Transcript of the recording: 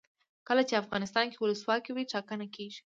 کله چې افغانستان کې ولسواکي وي ټاکنې کیږي.